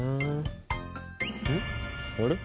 あれ？